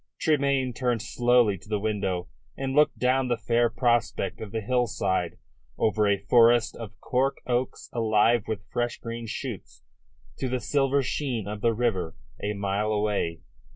Tremayne turned slowly to the window and looked down the fair prospect of the hillside over a forest of cork oaks alive with fresh green shoots to the silver sheen of the river a mile away.